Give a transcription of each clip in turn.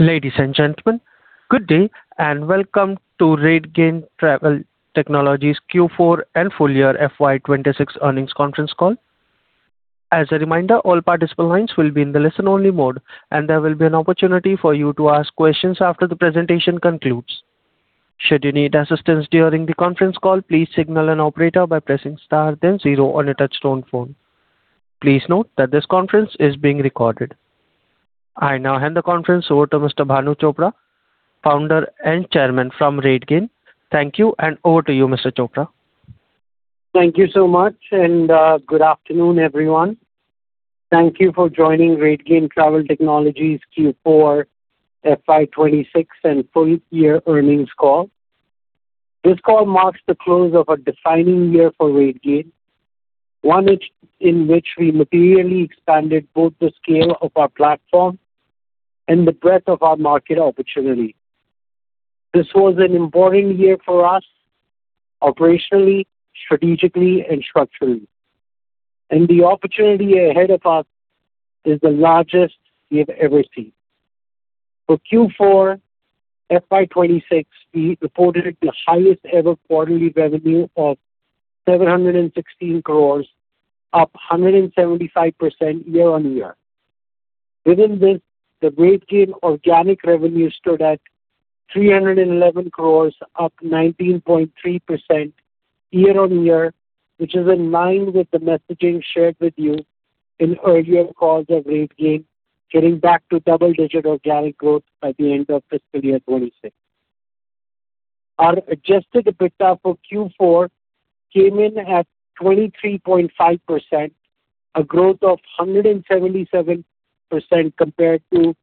Ladies and gentlemen, good day, and welcome to RateGain Travel Technologies Q4 and full year FY 2026 earnings conference call. As a reminder, all participant lines will be in the listen only mode, and there will be an opportunity for you to ask questions after the presentation concludes. Should you need assistance during the conference call, please signal an operator by pressing star, then zero on a touchtone phone. Please note that this conference is being recorded. I now hand the conference over to Mr. Bhanu Chopra, Founder and Chairman from RateGain. Thank you, and over to you, Mr. Chopra. Thank you so much. Good afternoon, everyone. Thank you for joining RateGain Travel Technologies Q4 FY 2026 and full year earnings call. This call marks the close of a defining year for RateGain. One in which we materially expanded both the scale of our platform and the breadth of our market opportunity. This was an important year for us operationally, strategically, and structurally. The opportunity ahead of us is the largest we have ever seen. For Q4 FY 2026, we reported the highest ever quarterly revenue of 716 crores, up 175% year-on-year. Within this, the RateGain organic revenue stood at 311 crores, up 19.3% year-on-year, which is in line with the messaging shared with you in earlier calls of RateGain, getting back to double-digit organic growth by the end of fiscal year 2026. Our adjusted EBITDA for Q4 came in at 23.5%, a growth of 177% compared to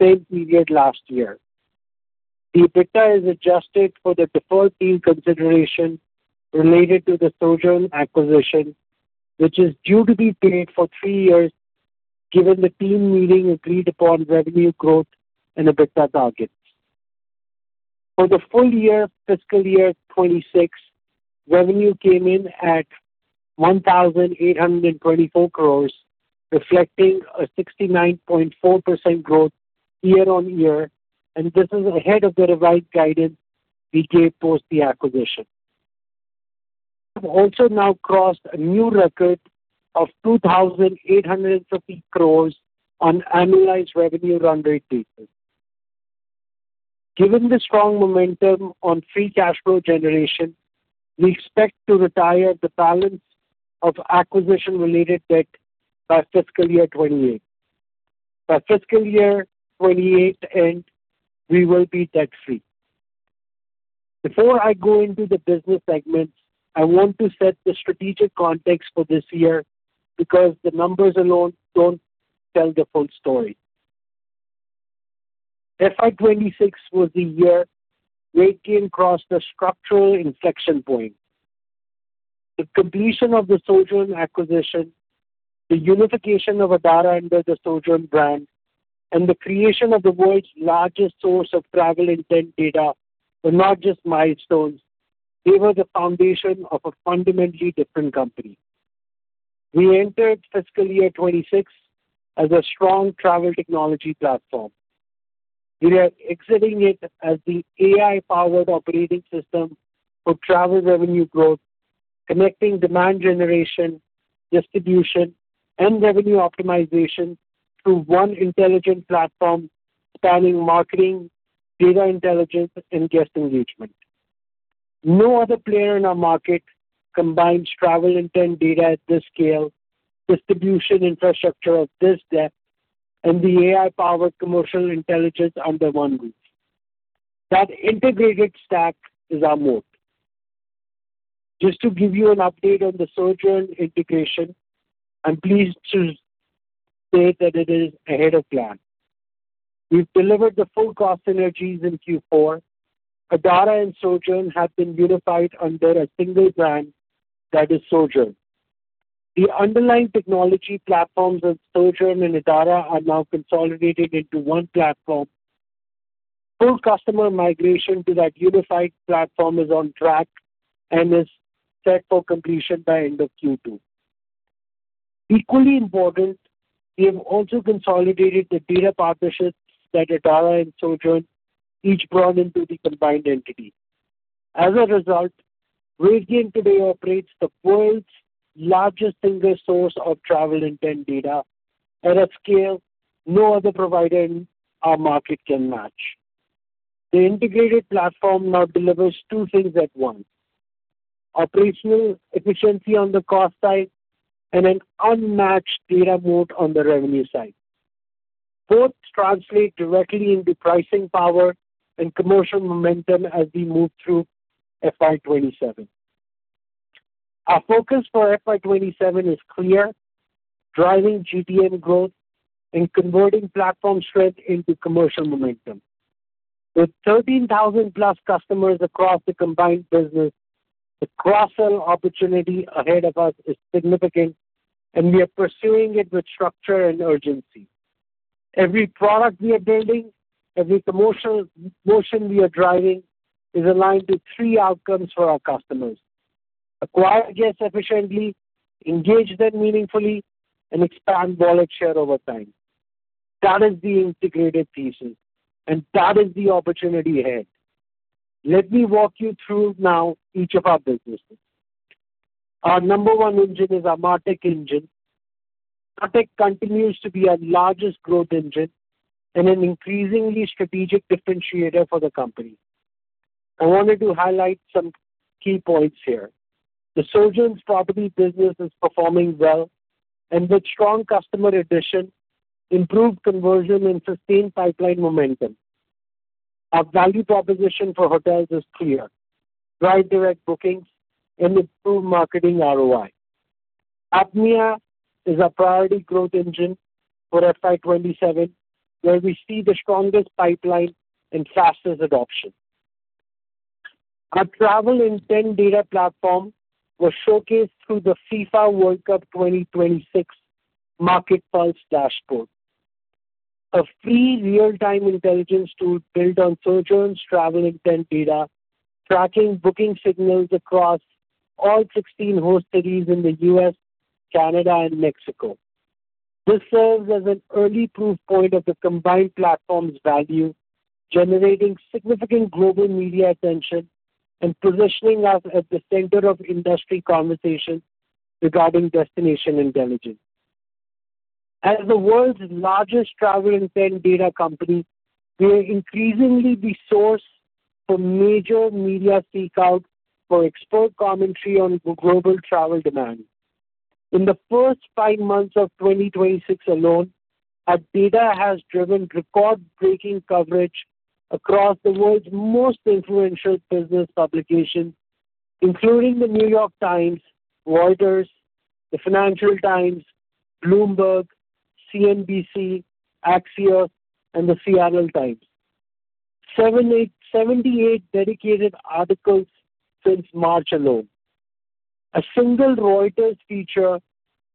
same period last year. The EBITDA is adjusted for the deferred team consideration related to the Sojern acquisition, which is due to be paid for three years given the team meeting agreed upon revenue growth and EBITDA targets. For the full year fiscal year 2026, revenue came in at 1,824 crores, reflecting a 69.4% growth year-on-year. This is ahead of the revised guidance we gave post the acquisition. We have also now crossed a new record of 2,850 crores on annualized revenue run rate basis. Given the strong momentum on free cash flow generation, we expect to retire the balance of acquisition-related debt by fiscal year 2028. By fiscal year 2028 end, we will be debt-free. Before I go into the business segments, I want to set the strategic context for this year because the numbers alone don't tell the full story. FY 2026 was the year RateGain crossed a structural inflection point. The completion of the Sojern acquisition, the unification of Adara under the Sojern brand, and the creation of the world's largest source of travel intent data were not just milestones, they were the foundation of a fundamentally different company. We entered fiscal year 2026 as a strong travel technology platform. We are exiting it as the AI-powered operating system for travel revenue growth, connecting demand generation, distribution, and revenue optimization through one intelligent platform spanning marketing, data intelligence, and guest engagement. No other player in our market combines travel intent data at this scale, distribution infrastructure of this depth, and the AI-powered commercial intelligence under one roof. That integrated stack is our moat. Just to give you an update on the Sojern integration, I'm pleased to state that it is ahead of plan. We've delivered the full cost synergies in Q4. Adara and Sojern have been unified under a single brand that is Sojern. The underlying technology platforms of Sojern and Adara are now consolidated into one platform. Full customer migration to that unified platform is on track and is set for completion by end of Q2. Equally important, we have also consolidated the data partnerships that Adara and Sojern each brought into the combined entity. RateGain today operates the world's largest single source of travel intent data at a scale no other provider in our market can match. The integrated platform now delivers two things at once, operational efficiency on the cost side and an unmatched data moat on the revenue side. Both translate directly into pricing power and commercial momentum as we move through FY 2027. Our focus for FY 2027 is clear, driving GPM growth and converting platform strength into commercial momentum. With 13,000+ customers across the combined business, the cross-sell opportunity ahead of us is significant, and we are pursuing it with structure and urgency. Every product we are building, every promotion we are driving is aligned to three outcomes for our customers. Acquire guests efficiently, engage them meaningfully, and expand wallet share over time. That is the integrated thesis, and that is the opportunity ahead. Let me walk you through now each of our businesses. Our number one engine is our MarTech engine. MarTech continues to be our largest growth engine and an increasingly strategic differentiator for the company. I wanted to highlight some key points here. The Sojern property business is performing well and with strong customer addition, improved conversion, and sustained pipeline momentum. Our value proposition for hotels is clear: drive direct bookings and improve marketing ROI. APAC is our priority growth engine for FY 2027, where we see the strongest pipeline and fastest adoption. Our travel intent data platform was showcased through the FIFA World Cup 2026 Market Pulse Dashboard, a free real-time intelligence tool built on Sojern's travel intent data, tracking booking signals across all 16 host cities in the U.S., Canada, and Mexico. This serves as an early proof point of the combined platform's value, generating significant global media attention and positioning us at the center of industry conversations regarding destination intelligence. As the world's largest travel intent data company, we are increasingly the source for major media seek out for expert commentary on global travel demand. In the first five months of 2026 alone, our data has driven record-breaking coverage across the world's most influential business publications, including The New York Times, Reuters, the Financial Times, Bloomberg, CNBC, Axios, and The Seattle Times. 78 dedicated articles since March alone. A single Reuters feature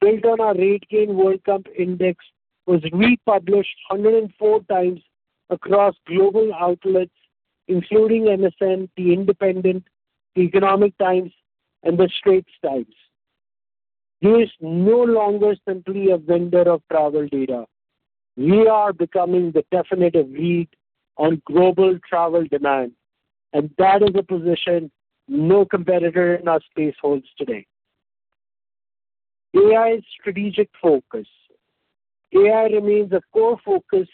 built on our RateGain World Cup Index was republished 104 times across global outlets, including MSN, The Independent, The Economic Times, and The Straits Times. We are no longer simply a vendor of travel data. We are becoming the definitive read on global travel demand, and that is a position no competitor in our space holds today. AI strategic focus. AI remains a core focus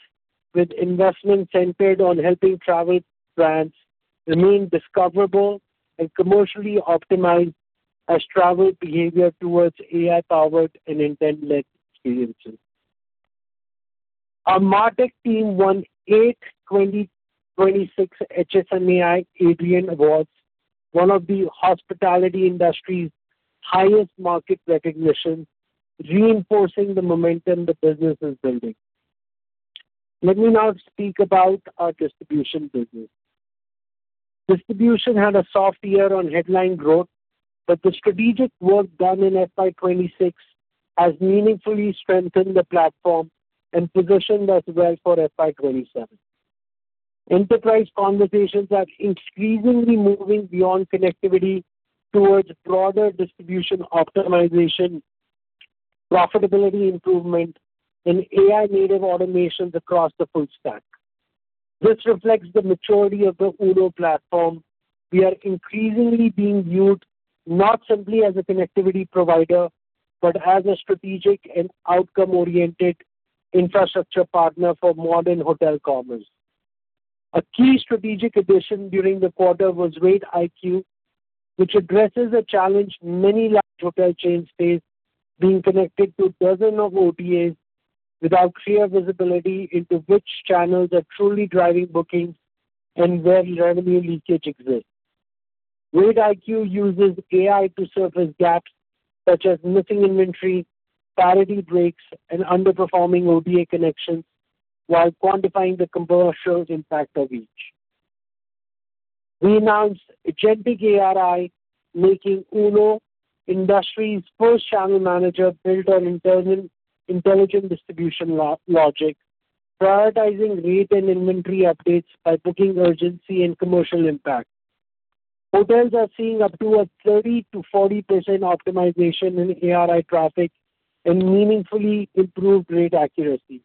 with investment centered on helping travel brands remain discoverable and commercially optimized as travel behavior towards AI-powered and intent-led experiences. Our MarTech team won eight 2026 HSMAI Adrian Awards, one of the hospitality industry's highest market recognitions, reinforcing the momentum the business is building. Let me now speak about our Distribution business. Distribution had a soft year on headline growth, but the strategic work done in FY 2026 has meaningfully strengthened the platform and positioned us well for FY 2027. Enterprise conversations are increasingly moving beyond connectivity towards broader distribution optimization, profitability improvement, and AI-native automations across the full stack. This reflects the maturity of the UNO platform. We are increasingly being viewed not simply as a connectivity provider, but as a strategic and outcome-oriented infrastructure partner for modern hotel commerce. A key strategic addition during the quarter was RateIQ, which addresses a challenge many large hotel chains face, being connected to dozens of OTAs without clear visibility into which channels are truly driving bookings and where revenue leakage exists. RateIQ uses AI to surface gaps such as missing inventory, parity breaks, and underperforming OTA connections while quantifying the commercial impact of each. We announced Agentic ARI, making UNO industry's first channel manager built on intelligent distribution logic, prioritizing rate and inventory updates by booking urgency and commercial impact. Hotels are seeing up to a 30%-40% optimization in ARI traffic and meaningfully improved rate accuracy.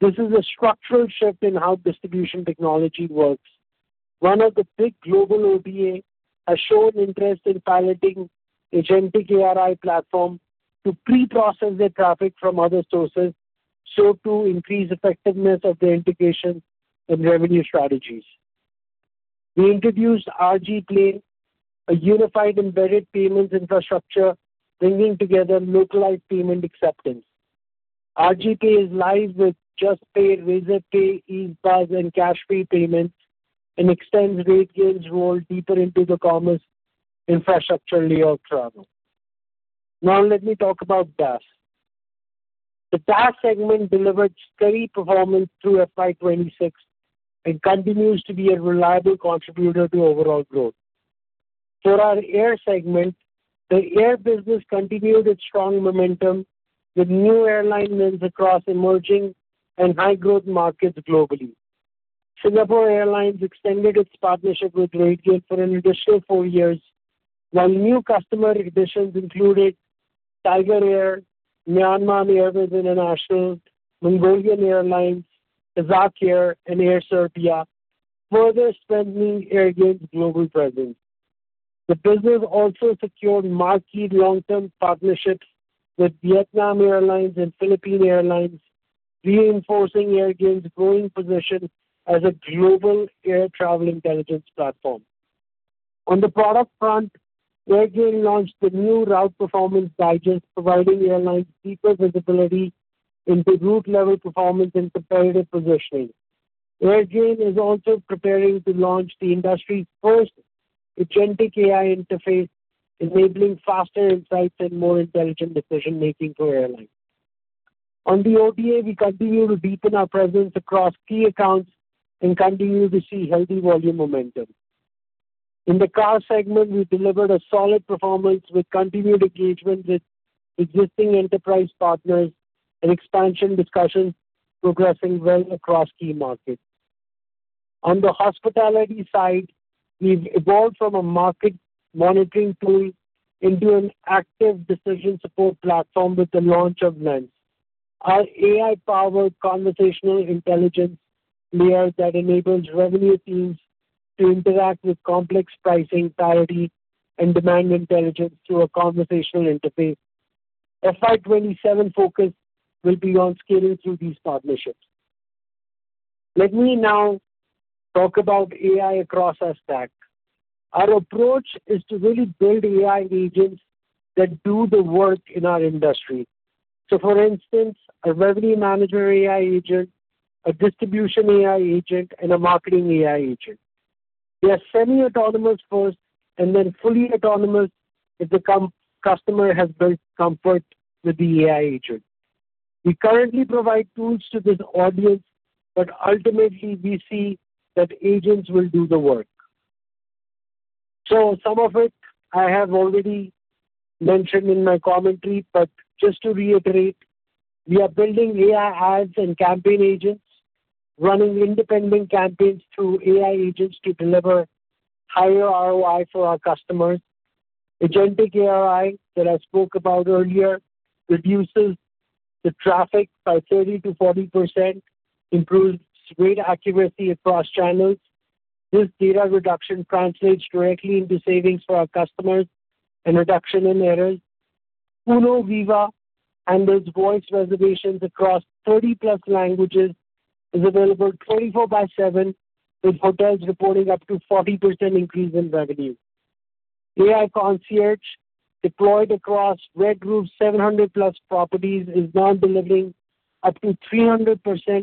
This is a structural shift in how distribution technology works. One of the big global OTA has shown interest in piloting Agentic ARI platform to pre-process their traffic from other sources, so to increase effectiveness of their integration and revenue strategies. We introduced RG Pay, a unified embedded payments infrastructure bringing together localized payment acceptance. RG Pay is live with Juspay, Easebuzz, and Cashfree Payments and extends RateGain's role deeper into the commerce infrastructure layer of travel. Let me talk about DaaS. The DaaS segment delivered steady performance through FY 2026 and continues to be a reliable contributor to overall growth. Our air segment, the air business continued its strong momentum with new airline wins across emerging and high-growth markets globally. Singapore Airlines extended its partnership with RateGain for an additional four years, while new customer additions included Tigerair, Myanmar Airways International, Mongolian Airlines, AZAL, and Air Serbia, further strengthening RateGain's global presence. The business also secured marquee long-term partnerships with Vietnam Airlines and Philippine Airlines, reinforcing RateGain's growing position as a global air travel intelligence platform. The product front, RateGain launched the new Route Performance Digest, providing airlines deeper visibility into route-level performance and competitive positioning. RateGain is also preparing to launch the industry's first agentic AI interface, enabling faster insights and more intelligent decision-making for airlines. On the OTA, we continue to deepen our presence across key accounts and continue to see healthy volume momentum. In the car segment, we delivered a solid performance with continued engagement with existing enterprise partners and expansion discussions progressing well across key markets. On the hospitality side, we've evolved from a market monitoring tool into an active decision support platform with the launch of [Lens]. Our AI-powered conversational intelligence layer that enables revenue teams to interact with complex pricing parity and demand intelligence through a conversational interface. FY 2027 focus will be on scaling through these partnerships. Let me now talk about AI across our stack. Our approach is to really build AI agents that do the work in our industry. For instance, a revenue manager AI agent, a distribution AI agent, and a marketing AI agent. They are semi-autonomous first and then fully autonomous as the customer has built comfort with the AI agent. We currently provide tools to this audience, ultimately we see that agents will do the work. Some of it I have already mentioned in my commentary, just to reiterate, we are building AI ads and campaign agents, running independent campaigns through AI agents to deliver higher ROI for our customers. Agentic AI that I spoke about earlier reduces the traffic by 30% to 40%, improves rate accuracy across channels. This data reduction translates directly into savings for our customers and reduction in errors. UNO VIVA handles voice reservations across 30+ languages, is available 24/7, with hotels reporting up to 40% increase in revenue. AI concierge deployed across Red Roof's 700+ properties is now delivering up to 300%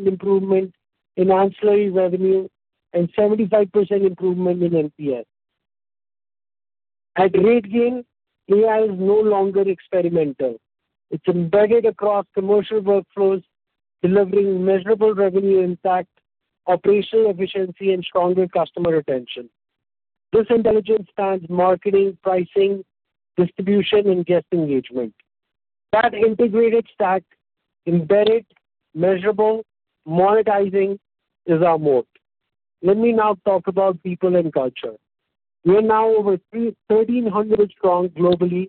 improvement in ancillary revenue and 75% improvement in NPS. At RateGain, AI is no longer experimental. It is embedded across commercial workflows, delivering measurable revenue impact, operational efficiency, and stronger customer retention. This intelligence spans marketing, pricing, distribution, and guest engagement. That integrated stack, embedded, measurable, monetizing, is our moat. Let me now talk about people and culture. We are now over 1,300 strong globally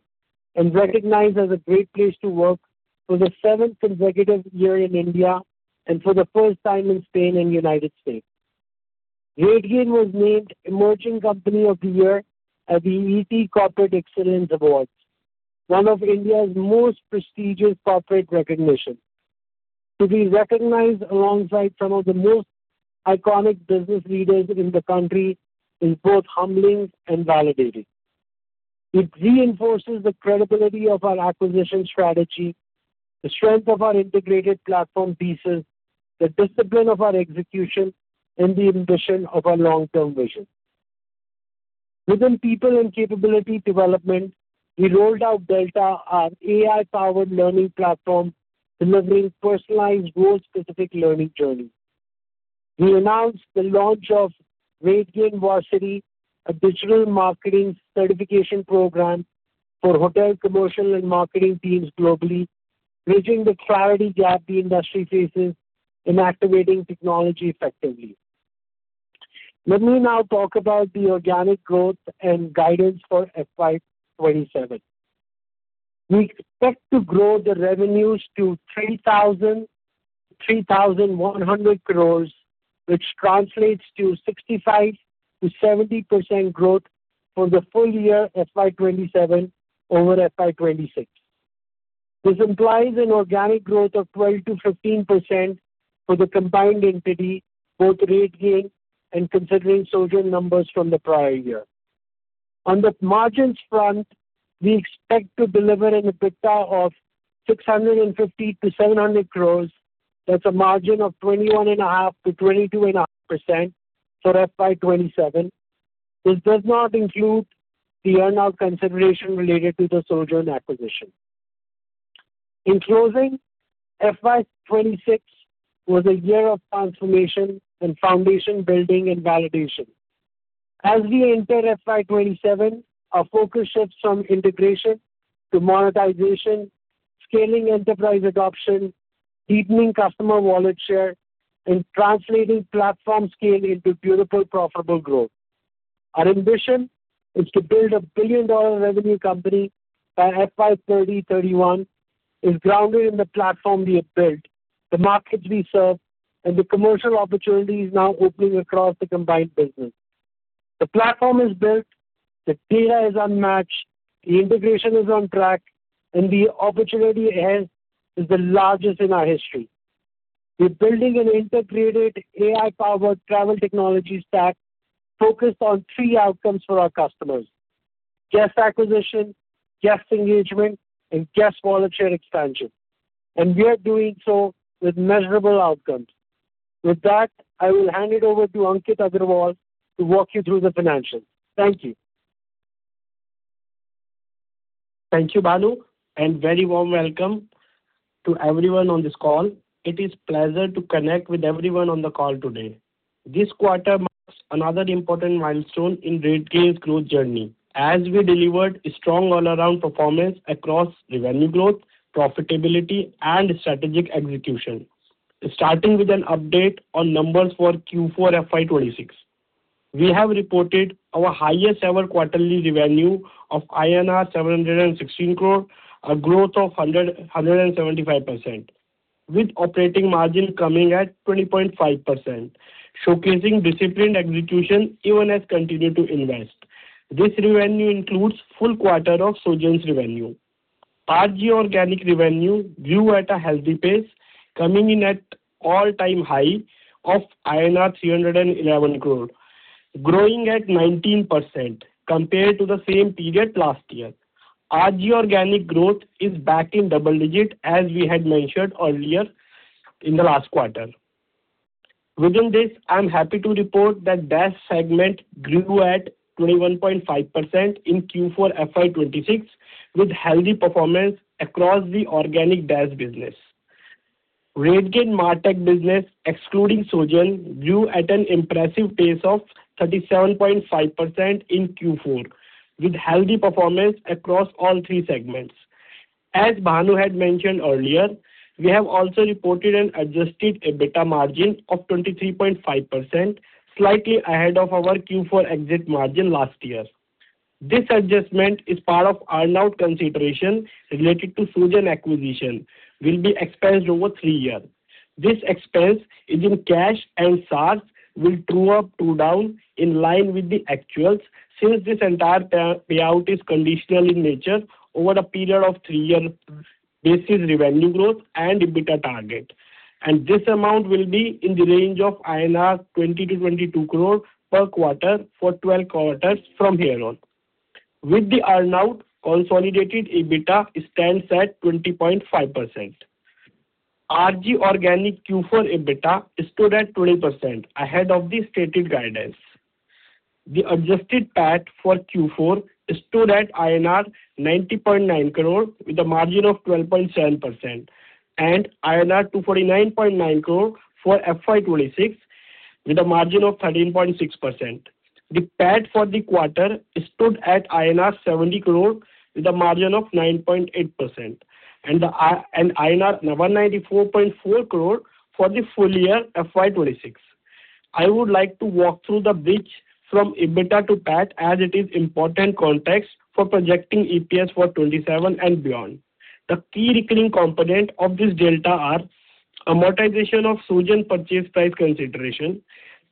and recognized as a Great Place to Work for the seventh consecutive year in India and for the first time in Spain and U.S. RateGain was named Emerging Company of the Year at The Economic Times Awards for Corporate Excellence Award, one of India's most prestigious corporate recognitions. To be recognized alongside some of the most iconic business leaders in the country is both humbling and validating. It reinforces the credibility of our acquisition strategy, the strength of our integrated platform pieces, the discipline of our execution, and the ambition of our long-term vision. Within people and capability development, we rolled out Delta, our AI-powered learning platform, delivering personalized role-specific learning journey. We announced the launch of RateGain Varsity, a digital marketing certification program for hotel commercial and marketing teams globally, bridging the clarity gap the industry faces in activating technology effectively. Let me now talk about the organic growth and guidance for FY 2027. We expect to grow the revenues to 3,000, 3,100 crores, which translates to 65%-70% growth for the full year FY 2027 over FY 2026. This implies an organic growth of 12% to 15% for the combined entity, both RateGain and considering Sojern numbers from the prior year. On the margins front, we expect to deliver an EBITDA of 650 crores to 700 crores. That's a margin of 21.5% to 22.5% for FY 2027. This does not include the earn-out consideration related to the Sojern acquisition. In closing, FY 2026 was a year of transformation and foundation building and validation. As we enter FY 2027, our focus shifts from integration to monetization, scaling enterprise adoption, deepening customer wallet share, and translating platform scale into beautiful profitable growth. Our ambition is to build a billion-dollar revenue company by FY 2030-2031, is grounded in the platform we have built, the markets we serve, and the commercial opportunities now opening across the combined business. The platform is built, the data is unmatched, the integration is on track, and the opportunity ahead is the largest in our history. We're building an integrated AI-powered travel technology stack focused on three outcomes for our customers: guest acquisition, guest engagement, and guest wallet share expansion. We are doing so with measurable outcomes. With that, I will hand it over to Ankit Agarwal to walk you through the financials. Thank you. Thank you, Bhanu, and very warm welcome to everyone on this call. It is pleasure to connect with everyone on the call today. This quarter marks another important milestone in RateGain's growth journey as we delivered a strong all-around performance across revenue growth, profitability, and strategic execution. Starting with an update on numbers for Q4 FY 2026. We have reported our highest-ever quarterly revenue of INR 716 crore, a growth of 175%, with operating margin coming at 20.5%, showcasing disciplined execution even as we continue to invest. This revenue includes full quarter of Sojern's revenue. RG organic revenue grew at a healthy pace, coming in at all-time high of INR 311 crore, growing at 19% compared to the same period last year. RG organic growth is back in double digit as we had mentioned earlier in the last quarter. Within this, I'm happy to report that DaaS segment grew at 21.5% in Q4 FY 2026 with healthy performance across the organic DaaS business. RateGain MarTech business, excluding Sojern, grew at an impressive pace of 37.5% in Q4, with healthy performance across all three segments. As Bhanu had mentioned earlier, we have also reported an adjusted EBITDA margin of 23.5%, slightly ahead of our Q4 exit margin last year. This adjustment is part of earn-out consideration related to Sojern acquisition will be expensed over three years. This expense is in cash and SaaS will true up or down in line with the actuals since this entire payout is conditional in nature over a period of three-year basis revenue growth and EBITDA target. This amount will be in the range of 20 crore-22 crore INR per quarter for 12 quarters from here on. With the earn-out, consolidated EBITDA stands at 20.5%. RG organic Q4 EBITDA stood at 20%, ahead of the stated guidance. The adjusted PAT for Q4 stood at INR 90.9 crore with a margin of 12.7%, and INR 249.9 crore for FY 2026 with a margin of 13.6%. The PAT for the quarter stood at INR 70 crore with a margin of 9.8%, and INR 194.4 crore for the full year FY 2026. I would like to walk through the bridge from EBITDA to PAT as it is important context for projecting EPS for 2027 and beyond. The key recurring component of this delta are amortization of Sojern purchase price consideration.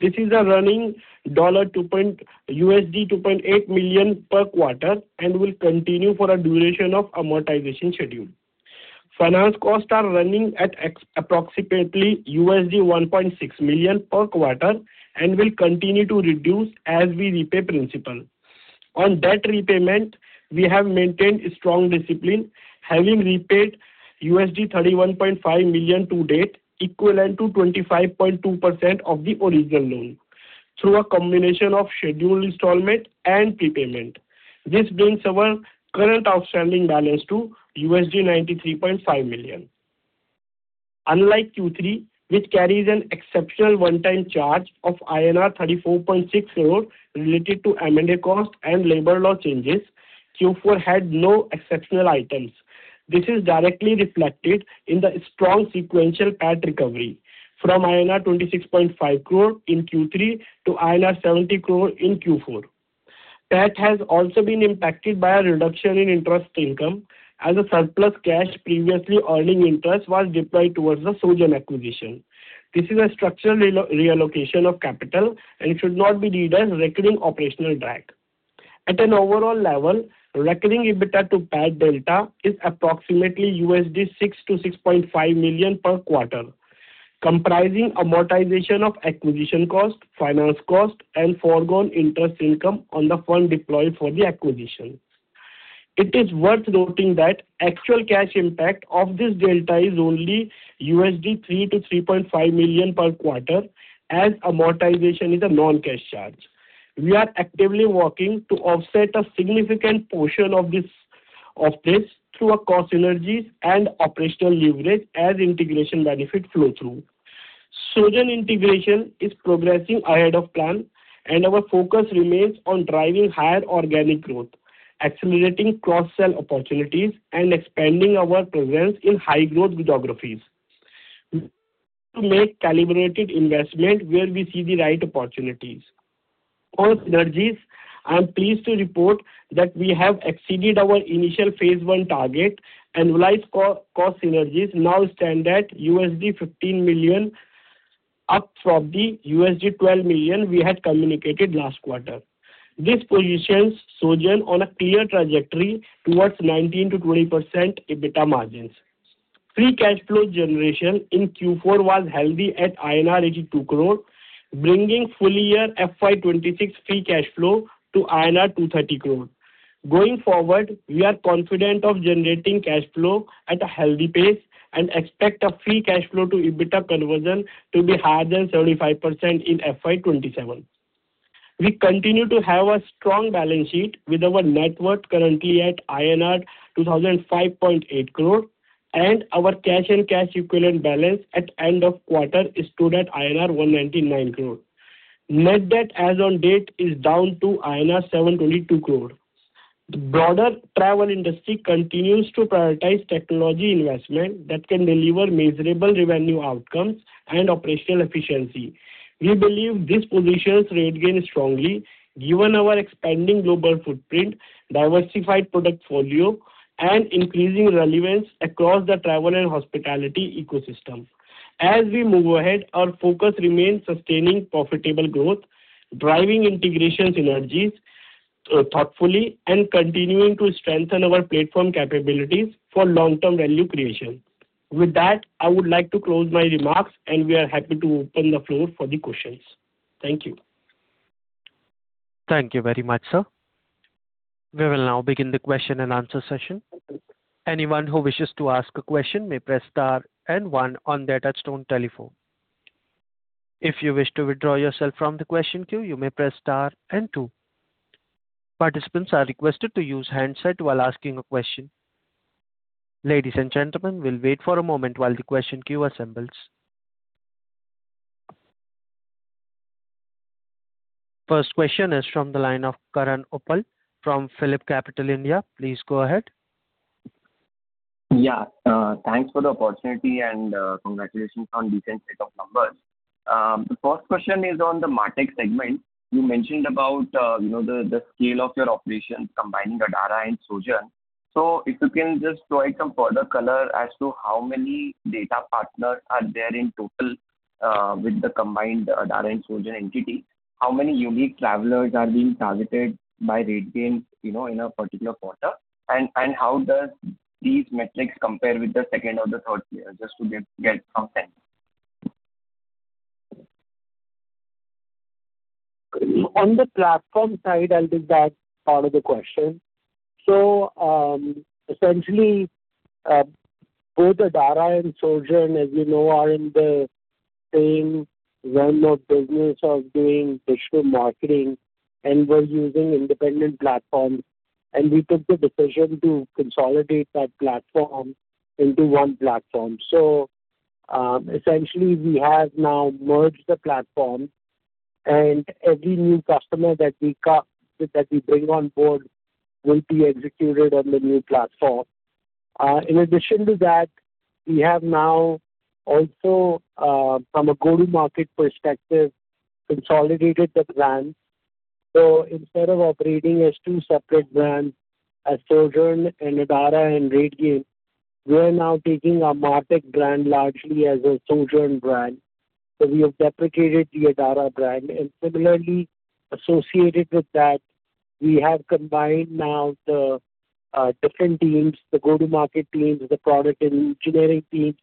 This is a running $2.8 million per quarter and will continue for a duration of amortization schedule. Finance costs are running at approximately $1.6 million per quarter and will continue to reduce as we repay principal. On debt repayment, we have maintained strong discipline, having repaid $31.5 million to date, equivalent to 25.2% of the original loan through a combination of scheduled installment and prepayment. This brings our current outstanding balance to $93.5 million. Unlike Q3, which carries an exceptional one-time charge of INR 34.6 crore related to M&A cost and labor law changes, Q4 had no exceptional items. This is directly reflected in the strong sequential PAT recovery from INR 26.5 crore in Q3 to INR 70 crore in Q4. PAT has also been impacted by a reduction in interest income as the surplus cash previously earning interest was deployed towards the Sojern acquisition. This is a structural reallocation of capital and it should not be read as recurring operational drag. At an overall level, recurring EBITDA to PAT delta is approximately $6 million-$6.5 million per quarter, comprising amortization of acquisition cost, finance cost, and forgone interest income on the fund deployed for the acquisition. It is worth noting that actual cash impact of this delta is only $3 million-$3.5 million per quarter as amortization is a non-cash charge. We are actively working to offset a significant portion of this through our cost synergies and operational leverage as integration benefits flow through. Sojern integration is progressing ahead of plan, and our focus remains on driving higher organic growth, accelerating cross-sell opportunities, and expanding our presence in high-growth geographies. To make calibrated investment where we see the right opportunities. On synergies, I'm pleased to report that we have exceeded our initial phase one target. Annualized cost synergies now stand at $15 million, up from the $12 million we had communicated last quarter. This positions Sojern on a clear trajectory towards 19% to 20% EBITDA margins. Free cash flow generation in Q4 was healthy at INR 82 crore, bringing full year FY 2026 free cash flow to INR 230 crore. Going forward, we are confident of generating cash flow at a healthy pace and expect our free cash flow to EBITDA conversion to be higher than 75% in FY 2027. We continue to have a strong balance sheet with our net worth currently at INR 2,005.8 crore, and our cash and cash equivalent balance at end of quarter stood at INR 199 crore. Net debt as on date is down to INR 722 crore. The broader travel industry continues to prioritize technology investment that can deliver measurable revenue outcomes and operational efficiency. We believe this positions RateGain strongly given our expanding global footprint, diversified product portfolio, and increasing relevance across the travel and hospitality ecosystem. As we move ahead, our focus remains sustaining profitable growth, driving integration synergies thoughtfully, and continuing to strengthen our platform capabilities for long-term value creation. With that, I would like to close my remarks, and we are happy to open the floor for the questions. Thank you. Thank you very much, sir. We will now begin the question-and-answer session. Anyone who wishes to ask a question may press star and one on their touchtone telephone. If you wish to withdraw yourself from the question queue, you may press star and two. Participants are requested to use handset while asking a question. Ladies and gentlemen, we'll wait for a moment while the question queue assembles. First question is from the line of Karan Uppal from PhillipCapital India. Please go ahead. Yeah. Thanks for the opportunity and congratulations on the recent set of numbers. The first question is on the MarTech segment. You mentioned about the scale of your operations combining Adara and Sojern. If you can just throw some further color as to how many data partners are there in total with the combined Adara and Sojern entity, how many unique travelers are being targeted by RateGain in a particular quarter? How does these metrics compare with the second or the third player, just to get some sense. On the platform side, I'll take that part of the question. Essentially, both Adara and Sojern, as you know, are in the same realm of business of doing digital marketing and were using independent platforms. We took the decision to consolidate that platform into one platform. Essentially, we have now merged the platform, and every new customer that we bring on board will be executed on the new platform. In addition to that, we have now also, from a go-to-market perspective, consolidated the brand. Instead of operating as two separate brands, as Sojern and Adara and RateGain, we are now taking our MarTech brand largely as a Sojern brand. We have deprecated the Adara brand. Similarly associated with that, we have combined now the different teams, the go-to-market teams, the product engineering teams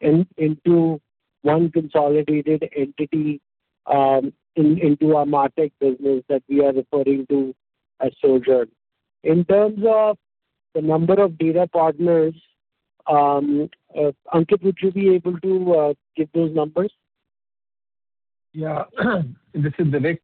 into one consolidated entity into our MarTech business that we are referring to as Sojern. In terms of the number of data partners, Divik, would you be able to give those numbers? Yeah. This is Divik.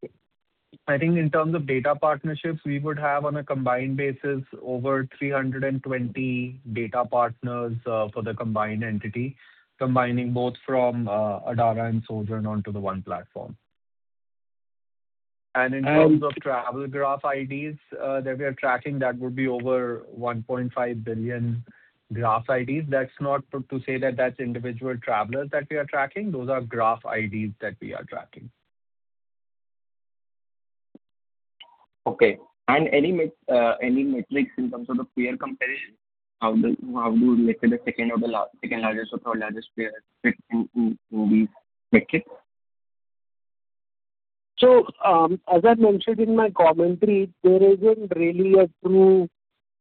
I think in terms of data partnerships, we would have on a combined basis over 320 data partners for the combined entity, combining both from Adara and Sojern onto the one platform. In terms of travel graph IDs that we are tracking, that would be over 1.5 billion graph IDs. That's not to say that that's individual travelers that we are tracking. Those are graph IDs that we are tracking. Okay. Any metrics in terms of the peer comparison? How do you relate to the second largest or third largest player in the metric? As I mentioned in my commentary, there isn't really a true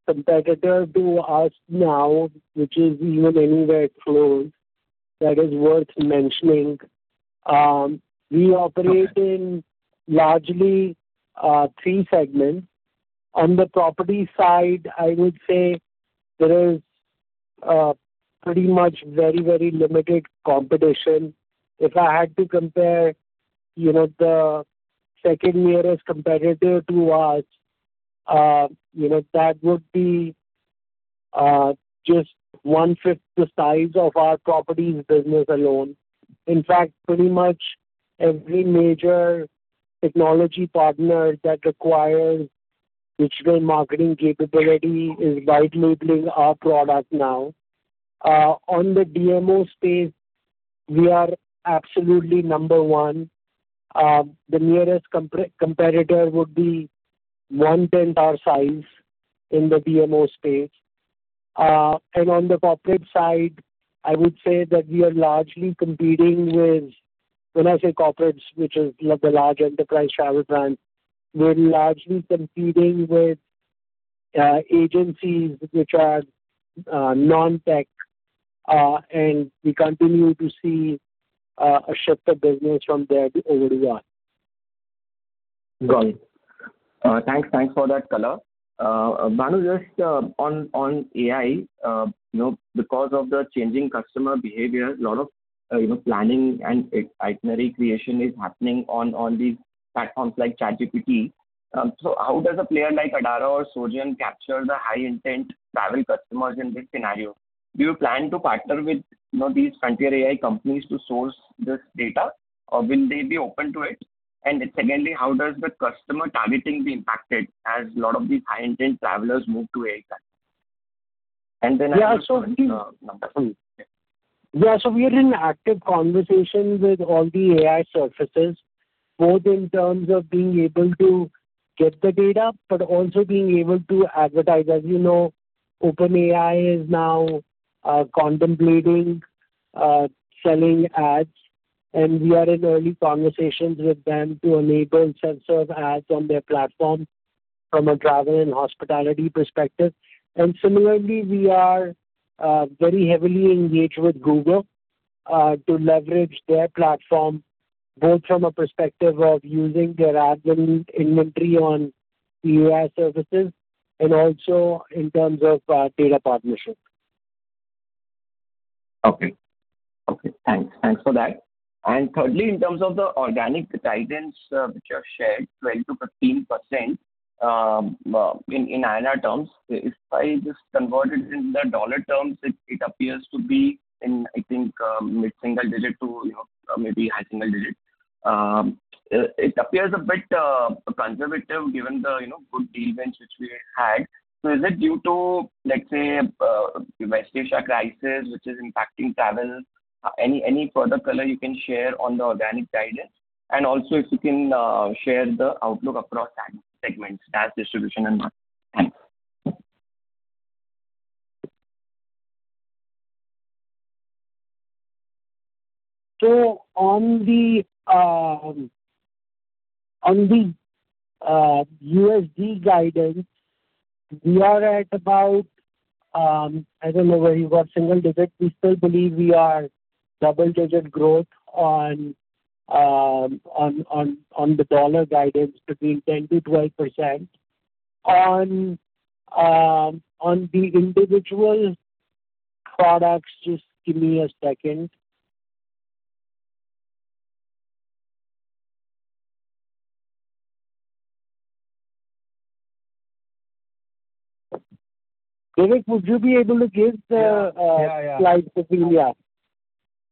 competitor to us now, which is even anywhere close that is worth mentioning. We operate in largely three segments. On the property side, I would say there is. Pretty much very limited competition. If I had to compare the second nearest competitor to us, that would be just one-fifth the size of our properties business alone. In fact, pretty much every major technology partner that requires digital marketing capability is white labeling our product now. On the DMO space, we are absolutely number one. The nearest competitor would be one-tenth our size in the DMO space. On the corporate side, I would say that we are largely competing with, when I say corporates, which is the large enterprise travel brands, we are largely competing with agencies which are non-tech, and we continue to see a shift of business from there over to us. Got it. Thanks for that color. Bhanu, just on AI, because of the changing customer behavior, lot of planning and itinerary creation is happening on these platforms like ChatGPT. How does a player like Adara or Sojern capture the high-intent travel customers in this scenario? Do you plan to partner with these frontier AI companies to source this data? Or will they be open to it? Secondly, how does the customer targeting be impacted as lot of these high-intent travelers move to AI companies? So we are in active conversations with all the AI services, both in terms of being able to get the data, but also being able to advertise. As you know, OpenAI is now contemplating selling ads, and we are in early conversations with them to enable and serve ads on their platform from a travel and hospitality perspective. Similarly, we are very heavily engaged with Google to leverage their platform, both from a perspective of using their ad inventory on the AI services and also in terms of data partnership. Okay. Thanks for that. Thirdly, in terms of the organic guidance which you have shared, 12% to 15% in INR terms, if I just convert it in the dollars terms, it appears to be in, I think, mid-single-digit to maybe high single digit. It appears a bit conservative given the good tailwinds which we had. Is it due to, let's say, West Asia crisis, which is impacting travel? Any further color you can share on the organic guidance? Also if you can share the outlook across segments, DaaS, Distribution, and MarTech. Thanks. On the USD guidance, we are at about, I don't know where you got single-digit. We still believe we are double-digit growth on the dollar guidance between 10%-12%. On the individual products, just give me a second. Divik, would you be able to give the— Yeah, yeah. —slides to me? Yeah.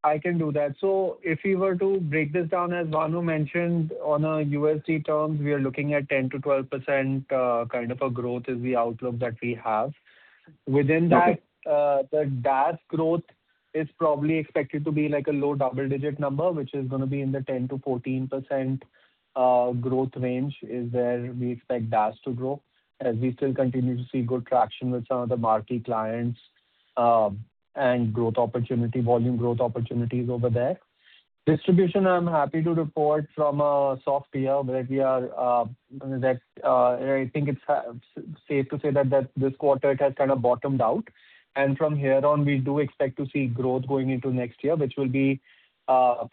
I can do that. If we were to break this down, as Bhanu mentioned, on a USD terms, we are looking at 10%-12% kind of a growth is the outlook that we have. The DaaS growth is probably expected to be a low double-digit number, which is going to be in the 10%-14% growth range is where we expect DaaS to grow, as we still continue to see good traction with some of the MarTech clients and volume growth opportunities over there. Distribution, I'm happy to report from a soft year that I think it's safe to say that this quarter it has kind of bottomed out. From here on, we do expect to see growth going into next year, which will be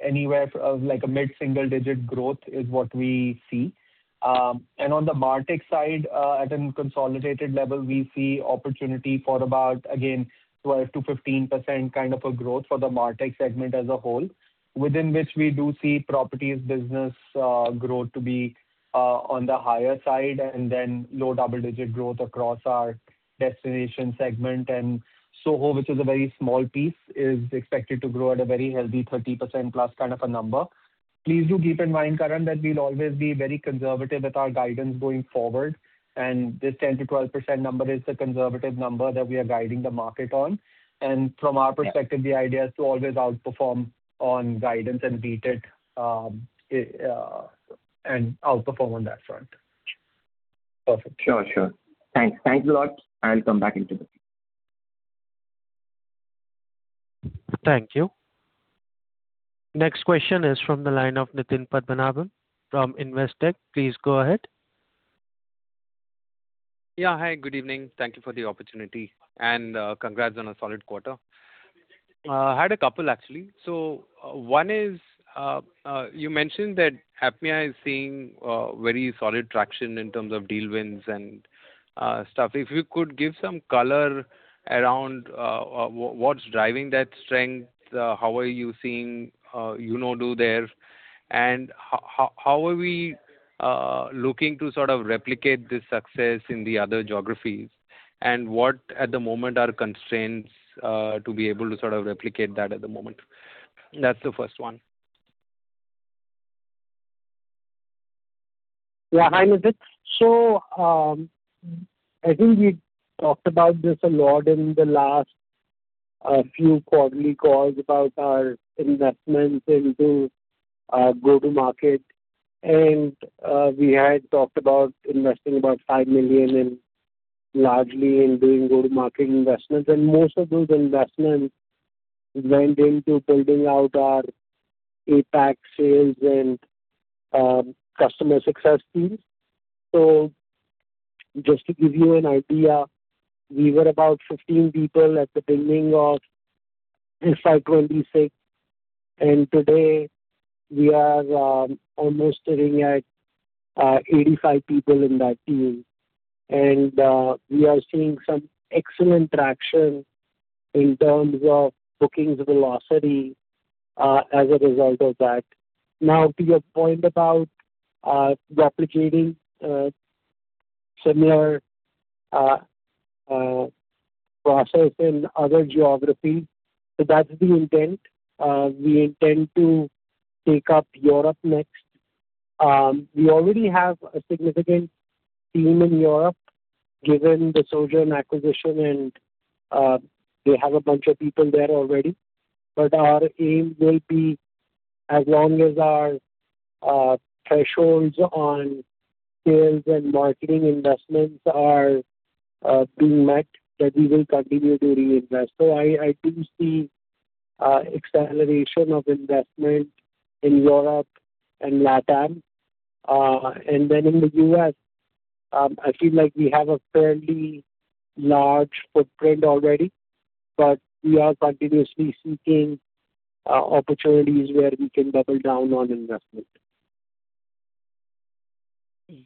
anywhere like a mid-single-digit growth is what we see. On the MarTech side, at a consolidated level, we see opportunity for about, again, 12% to 15% kind of a growth for the MarTech segment as a whole, within which we do see properties business growth to be on the higher side and then low double-digit growth across our destination segment. SoHo, which is a very small piece, is expected to grow at a very healthy 30%+ kind of a number. Please do keep in mind, Karan, that we'll always be very conservative with our guidance going forward, and this 10%-12% number is the conservative number that we are guiding the market on. Yeah. The idea is to always outperform on guidance and beat it, and outperform on that front. Perfect. Sure. Thanks a lot. I'll come back into the queue. Thank you. Next question is from the line of Nitin Padmanabhan from Investec. Please go ahead. Yeah, hi. Good evening. Thank you for the opportunity and congrats on a solid quarter. I had a couple actually. One is, you mentioned that APAC is seeing very solid traction in terms of deal wins and stuff. If you could give some color around what's driving that strength, how are you seeing UNO there, and how are we looking to sort of replicate this success in the other geographies? What at the moment are constraints to be able to sort of replicate that at the moment? That's the first one. Yeah. Hi, Nitin. I think we talked about this a lot in the last few quarterly calls about our investments into go-to-market. We had talked about investing about $5 million largely in doing go-to-market investments. Most of those investments went into building out our APAC sales and customer success teams. Just to give you an idea, we were about 15 people at the beginning of FY 2026, and today we are almost sitting at 85 people in that team. We are seeing some excellent traction in terms of bookings velocity as a result of that. To your point about replicating similar process in other geographies, that's the intent. We intend to take up Europe next. We already have a significant team in Europe given the Sojern acquisition and, we have a bunch of people there already. Our aim will be as long as our thresholds on sales and marketing investments are being met, then we will continue to reinvest. I do see acceleration of investment in Europe and LATAM. Then in the U.S., I feel like we have a fairly large footprint already, but we are continuously seeking opportunities where we can double down on investment.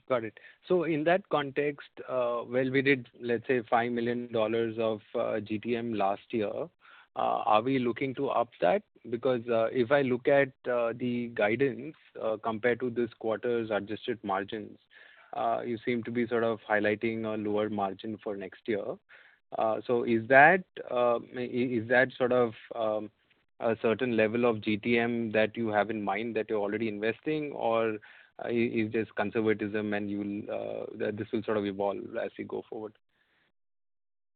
Got it. In that context, while we did, let's say, $5 million of GTM last year, are we looking to up that? If I look at the guidance compared to this quarter's adjusted margins, you seem to be sort of highlighting a lower margin for next year. Is that sort of a certain level of GTM that you have in mind that you're already investing, or is this conservatism and this will sort of evolve as we go forward?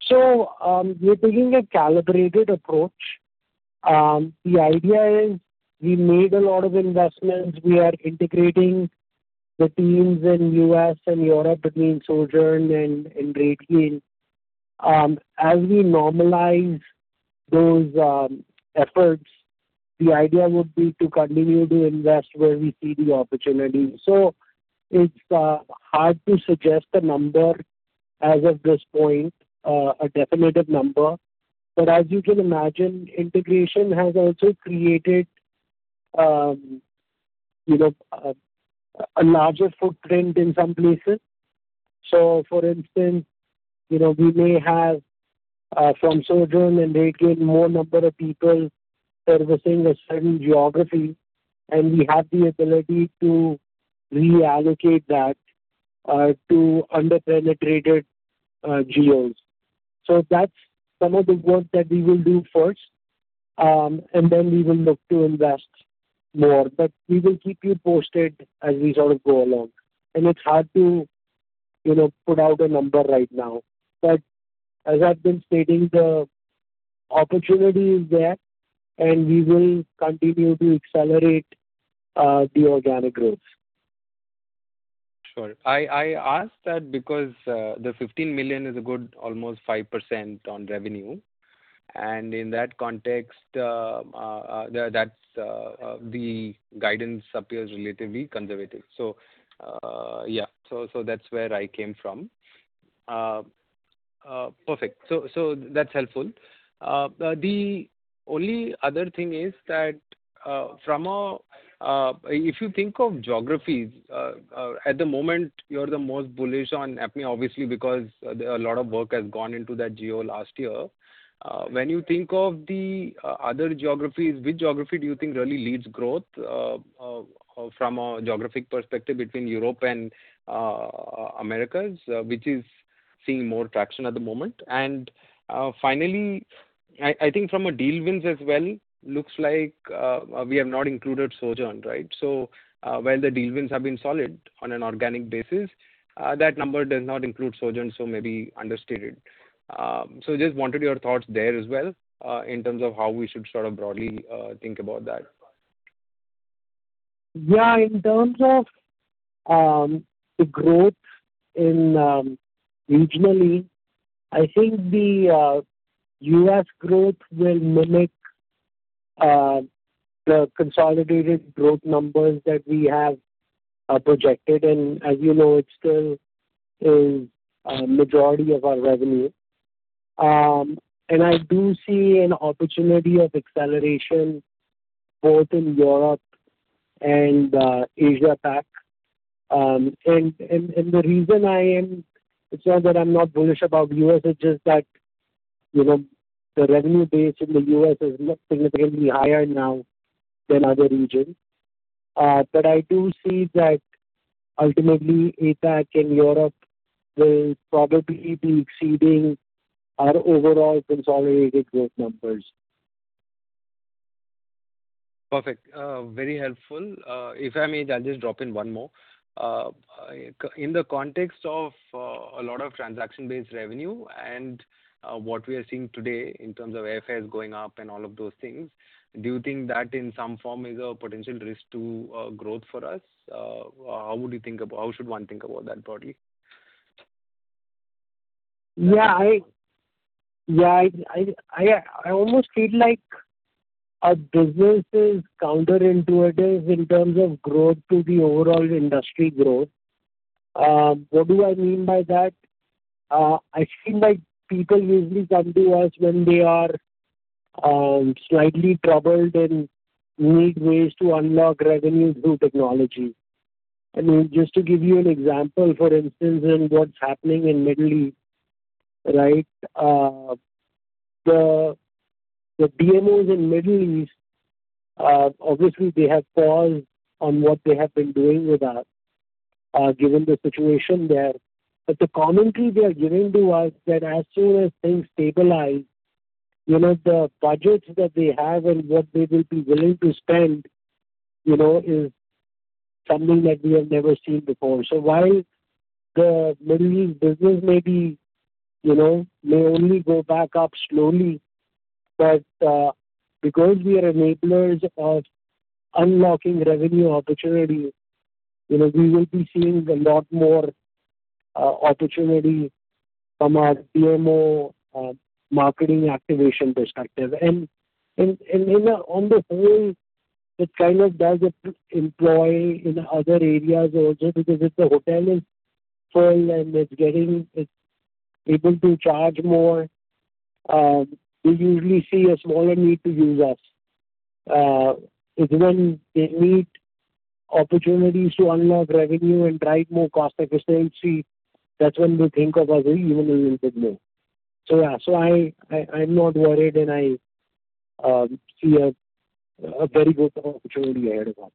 We're taking a calibrated approach. The idea is we made a lot of investments. We are integrating the teams in U.S. and Europe between Sojern and RateGain. As we normalize those efforts, the idea would be to continue to invest where we see the opportunity. It's hard to suggest a number as of this point, a definitive number. As you can imagine, integration has also created a larger footprint in some places. For instance, we may have from Sojern and RateGain more number of people servicing a certain geography, and we have the ability to reallocate that to under-penetrated geos. That's some of the work that we will do first, and then we will look to invest more. We will keep you posted as we sort of go along. It's hard to put out a number right now. As I've been stating, the opportunity is there, and we will continue to accelerate the organic growth. I asked that because the $15 million is a good almost 5% on revenue. In that context, the guidance appears relatively conservative. Yeah. That's where I came from. Perfect. That's helpful. The only other thing is that, if you think of geographies, at the moment, you're the most bullish on APAC obviously because a lot of work has gone into that geo last year. When you think of the other geographies, which geography do you think really leads growth from a geographic perspective between Europe and Americas which is seeing more traction at the moment? Finally, I think from a deal wins as well, looks like we have not included Sojern, right? While the deal wins have been solid on an organic basis, that number does not include Sojern, so maybe understated. Just wanted your thoughts there as well in terms of how we should sort of broadly think about that. Yeah. In terms of the growth regionally, I think the U.S. growth will mimic the consolidated growth numbers that we have projected, and as you know, it still is a majority of our revenue. I do see an opportunity of acceleration both in Europe and APAC. It's not that I'm not bullish about U.S., it's just that the revenue base in the U.S. is significantly higher now than other regions. I do see that ultimately APAC and Europe will probably be exceeding our overall consolidated growth numbers. Perfect. Very helpful. If I may, I'll just drop in one more. In the context of a lot of transaction-based revenue and what we are seeing today in terms of APAC going up and all of those things, do you think that in some form is a potential risk to growth for us? How should one think about that broadly? Yeah. I almost feel like our business is counterintuitive in terms of growth to the overall industry growth. What do I mean by that? I feel like people usually come to us when they are slightly troubled and need ways to unlock revenue through technology. I mean, just to give you an example, for instance, in what's happening in Middle East. The DMOs in Middle East, obviously they have paused on what they have been doing with us, given the situation there. The commentary they are giving to us, that as soon as things stabilize, the budgets that they have and what they will be willing to spend, is something that we have never seen before. While the Middle East business may only go back up slowly, but because we are enablers of unlocking revenue opportunities, we will be seeing a lot more opportunity from our DMO marketing activation perspective. On the whole, it kind of does employ in other areas also, because if the hotel is full and it's able to charge more, we usually see a smaller need to use us. It's when they need opportunities to unlock revenue and drive more cost efficiency, that's when they think of us, even in good mood. Yeah. I'm not worried, and I see a very good opportunity ahead of us.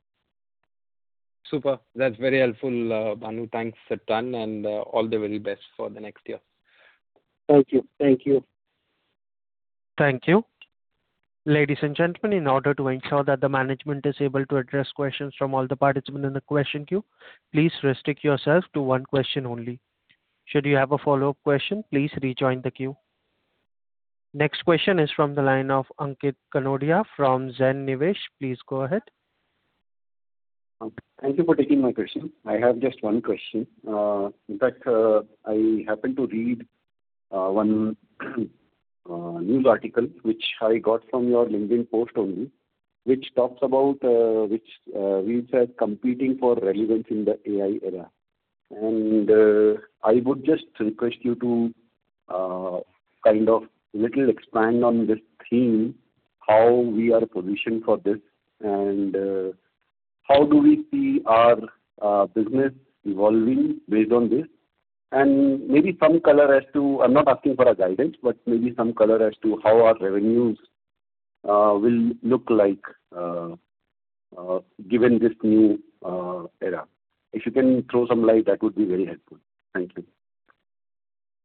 Super. That's very helpful, Bhanu. Thanks a ton, and all the very best for the next year. Thank you. Thank you. Ladies and gentlemen, in order to ensure that the management is able to address questions from all the participants in the question queue, please restrict yourself to one question only. Should you have a follow-up question, please rejoin the queue. Next question is from the line of Ankit Kanodia from Zen Nivesh. Please go ahead. Thank you for taking my question. I have just one question. In fact, I happened to read one news article, which I got from your LinkedIn post only, which reads as, "Competing for relevance in the AI era." I would just request you to kind of little expand on this theme, how we are positioned for this, and how do we see our business evolving based on this? I'm not asking for a guidance, but maybe some color as to how our revenues will look like given this new era. If you can throw some light, that would be very helpful. Thank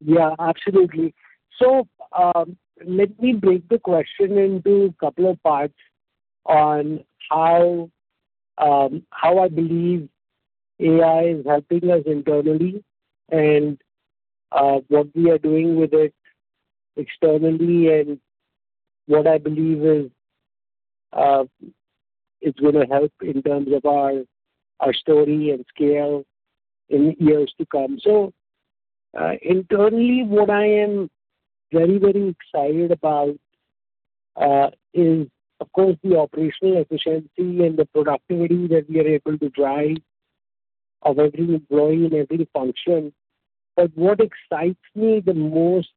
you. Absolutely. Let me break the question into a couple of parts on how I believe AI is helping us internally and what we are doing with it externally, and what I believe is going to help in terms of our story and scale in years to come. Internally, what I am very excited about is, of course, the operational efficiency and the productivity that we are able to drive, our revenue growing in every function. What excites me the most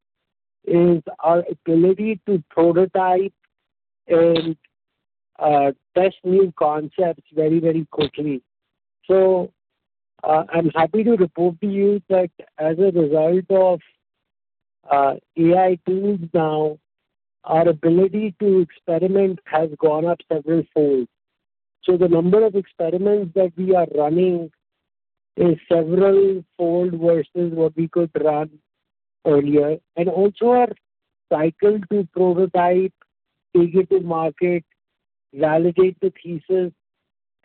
is our ability to prototype and test new concepts very quickly. I'm happy to report to you that as a result of AI tools now, our ability to experiment has gone up several folds. The number of experiments that we are running is several fold versus what we could run earlier. Also our cycle to prototype, take it to market, validate the thesis,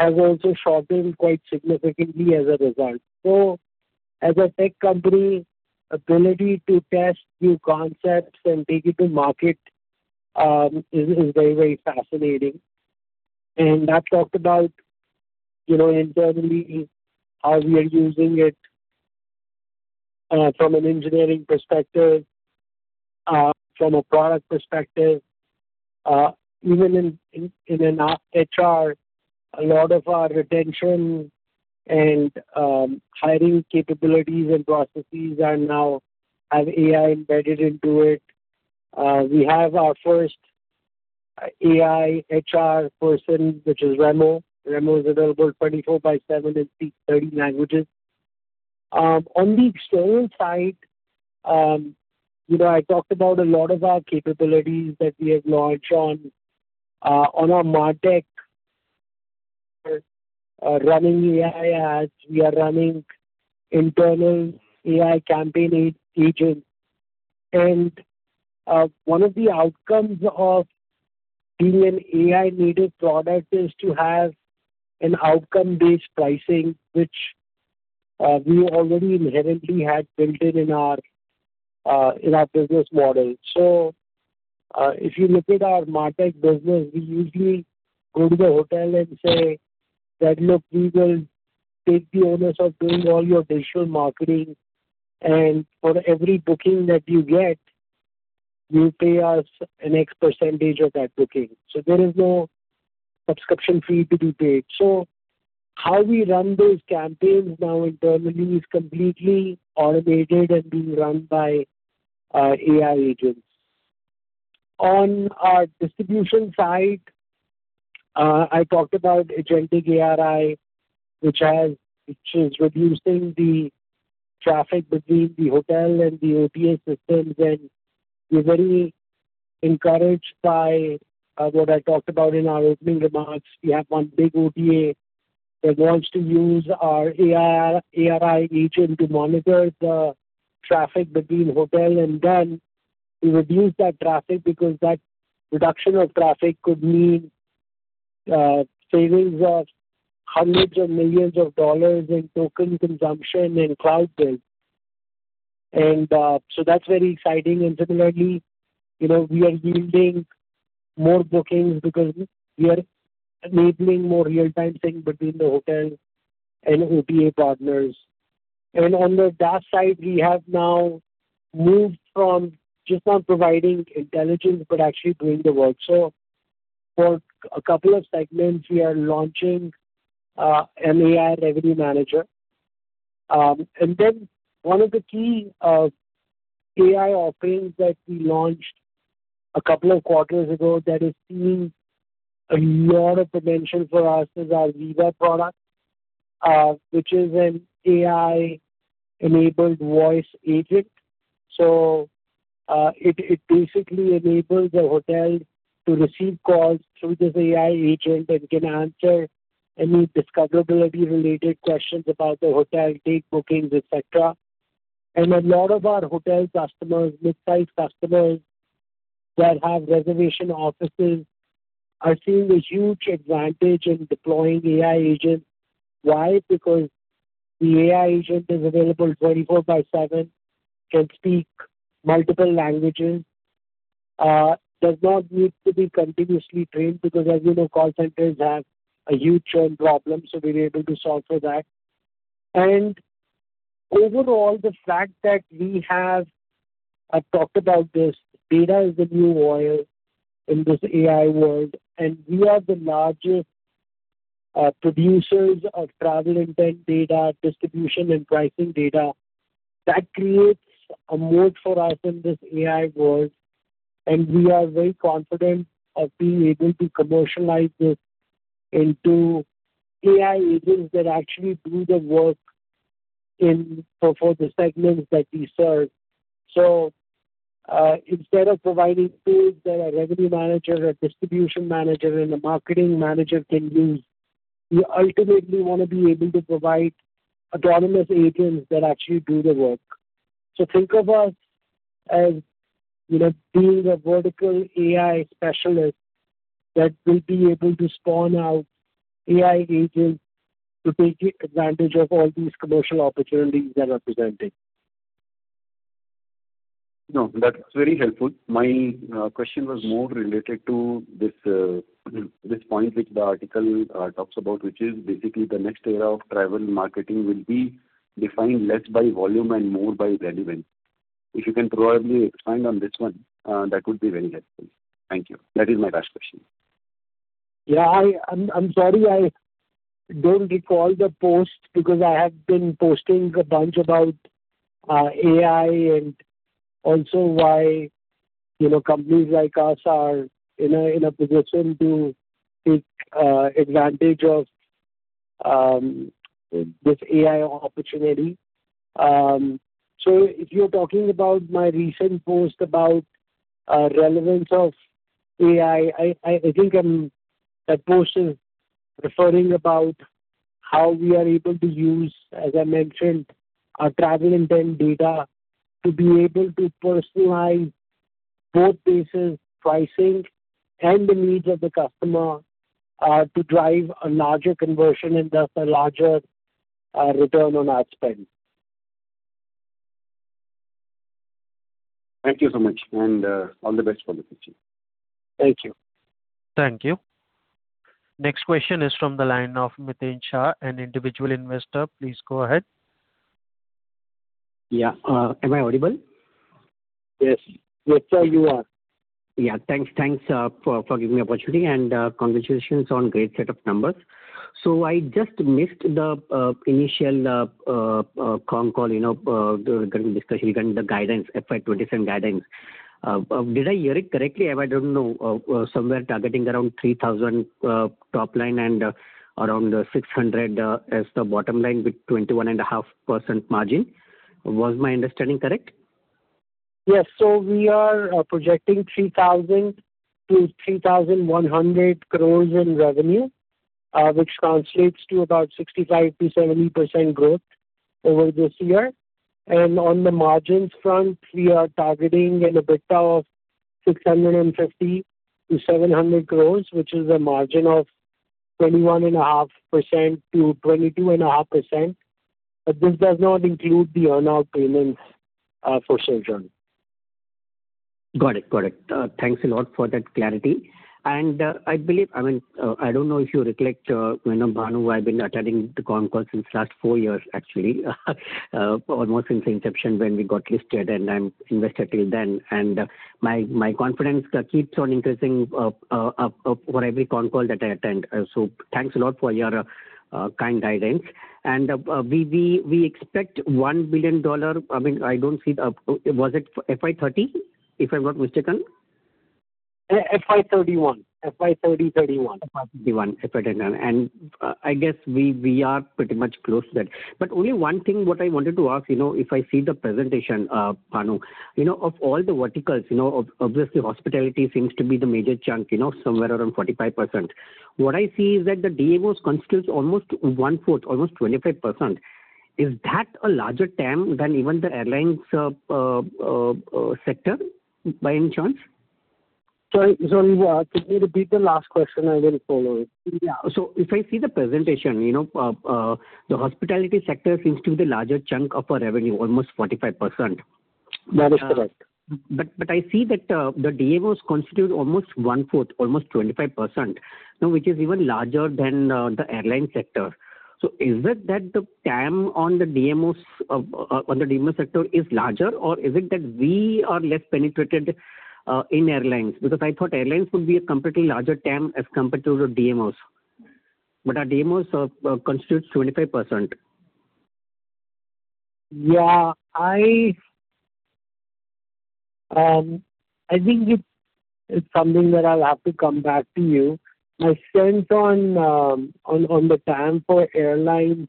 has also shortened quite significantly as a result. As a tech company, ability to test new concepts and take it to market is very fascinating. I've talked about internally how we are using it from an engineering perspective, from a product perspective, even in our HR, a lot of our retention and hiring capabilities and processes now have AI embedded into it. We have our first AI HR person, which is REMO. REMO is available 24/7 and speaks 30 languages. On the external side, I talked about a lot of our capabilities that we have launched on our MarTech, running AI ads. We are running internal AI campaign agent. One of the outcomes of being an AI-native product is to have an outcome-based pricing, which we already inherently had built it in our business model. If you look at our MarTech business, we usually go to the hotel and say that, "Look, we will take the onus of doing all your digital marketing, and for every booking that you get, you pay us an X percentage of that booking." There is no subscription fee to be paid. How we run those campaigns now internally is completely automated and being run by AI agents. On our Distribution side, I talked about Agentic ARI, which is reducing the traffic between the hotel and the OTA systems. We're very encouraged by what I talked about in our opening remarks. We have one big OTA that wants to use our ARI agent to monitor the traffic between hotel, then to reduce that traffic, because that reduction of traffic could mean savings of hundreds of millions of dollars in token consumption and cloud bill. That's very exciting. Similarly, we are yielding more bookings because we are enabling more real-time sync between the hotel and OTA partners. On the DaaS side, we have now moved from just not providing intelligence, but actually doing the work. For a couple of segments, we are launching an AI revenue manager. Then one of the key AI offerings that we launched a couple of quarters ago that is seeing a lot of potential for us is our Viva product, which is an AI-enabled voice agent. It basically enables a hotel to receive calls through this AI agent and can answer any discoverability-related questions about the hotel, take bookings, et cetera. A lot of our hotel customers, midsize customers that have reservation offices are seeing a huge advantage in deploying AI agents. Why? Because the AI agent is available 24/7, can speak multiple languages, does not need to be continuously trained, because as you know, call centers have a huge churn problem. We're able to solve for that. Overall, the fact that I've talked about this, data is the new oil in this AI world, and we are the largest producers of travel intent data, distribution, and pricing data. That creates a moat for us in this AI world, and we are very confident of being able to commercialize this into AI agents that actually do the work for the segments that we serve. Instead of providing tools that a revenue manager, a distribution manager, and a marketing manager can use, we ultimately want to be able to provide autonomous agents that actually do the work. Think of us as being a vertical AI specialist that will be able to spawn out AI agents to take advantage of all these commercial opportunities that are presented. No, that is very helpful. My question was more related to this point, which the article talks about, which is basically the next era of travel marketing will be defined less by volume and more by relevance. If you can probably expand on this one, that would be very helpful. Thank you. That is my last question. Yeah. I'm sorry I don't recall the post because I have been posting a bunch about AI and also why companies like us are in a position to take advantage of this AI opportunity. If you're talking about my recent post about relevance of AI, I think that post is referring about how we are able to use, as I mentioned, our travel intent data to be able to personalize both basis pricing and the needs of the customer, to drive a larger conversion and thus a larger return on ad spend. Thank you so much, and all the best for the future. Thank you. Thank you. Next question is from the line of [Miten Shah], an individual investor. Please go ahead. Yeah. Am I audible? Yes. Yes, sir, you are. Thanks for giving me opportunity, and congratulations on great set of numbers. I just missed the initial con call during discussion regarding the FY 2027 guidance. Did I hear it correctly? I don't know, somewhere targeting around 3,000 crore top line and around 600 crore as the bottom line with 21.5% margin. Was my understanding correct? We are projecting 3,000 crores-3,100 crores in revenue, which translates to about 65%-70% growth over this year. On the margins front, we are targeting an EBITDA of 650 crores-700 crores, which is a margin of 21.5%-22.5%, but this does not include the earn-out payments for Sojern. Got it. Thanks a lot for that clarity. I believe, I don't know if you recollect, Bhanu, I've been attending the con calls since last four years actually almost since inception when we got listed, and I'm investor till then. My confidence keeps on increasing for every con call that I attend. Thanks a lot for your kind guidance. We expect $1 billion. Was it FY 2030, if I'm not mistaken? FY 2031. FY 2030/2031. FY 2031. I guess we are pretty much close to that. Only one thing what I wanted to ask, if I see the presentation, Bhanu. Of all the verticals, obviously hospitality seems to be the major chunk, somewhere around 45%. What I see is that the DMOs constitutes almost 1/4, almost 25%. Is that a larger TAM than even the airlines sector by any chance? Sorry. Could you repeat the last question? I didn't follow it. Yeah. If I see the presentation, the hospitality sector seems to be the larger chunk of our revenue, almost 45%. That is correct. I see that the DMOs constitutes almost 1/4, almost 25%, which is even larger than the airline sector. Is it that the TAM on the DMO sector is larger, or is it that we are less penetrated in airlines? I thought airlines would be a comparatively larger TAM as compared to the DMOs. Our DMOs constitutes 25%. I think it's something that I'll have to come back to you. My sense on the TAM for airlines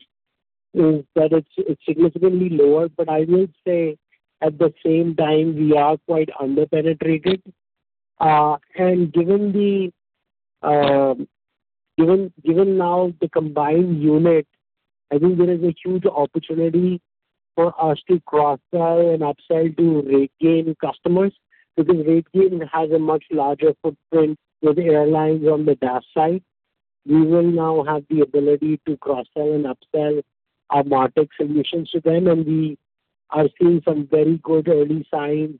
is that it's significantly lower. I will say, at the same time, we are quite under-penetrated. Given now the combined unit, I think there is a huge opportunity for us to cross-sell and upsell to RateGain customers because RateGain has a much larger footprint with airlines on the DaaS side. We will now have the ability to cross-sell and upsell our MarTech solutions to them, and we are seeing some very good early signs